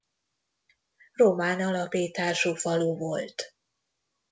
Román alapítású falu volt.